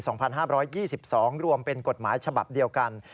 ๒๕๒๒รวมเป็นกฎหมายฉบับเดียวกัน